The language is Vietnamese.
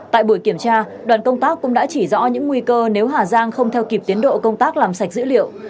tại buổi kiểm tra đoàn công tác cũng đã chỉ rõ những nguy cơ nếu hà giang không theo kịp tiến độ công tác làm sạch dữ liệu